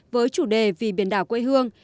với chủ đề vì biển đảo quê hương